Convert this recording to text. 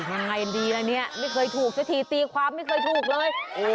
อุ้ยไงดีละเนี่ยไม่เคยถูกเสียทีตีความไม่เคยถูกเลย